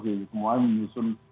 jadi semuanya menyusun